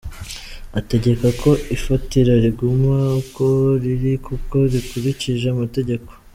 Ategeka ko ifatira riguma uko riri kuko rikurikije amategeko.